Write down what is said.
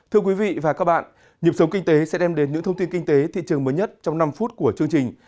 thưa quý vị và các bạn nhịp sống kinh tế sẽ đem đến những thông tin kinh tế thị trường mới nhất trong năm phút của chương trình